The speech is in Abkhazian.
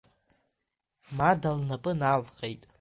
Мада лнапы налҟьеит.